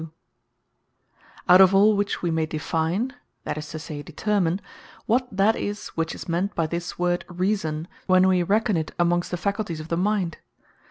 Reason Defined Out of all which we may define, (that is to say determine,) what that is, which is meant by this word Reason, when wee reckon it amongst the Faculties of the mind.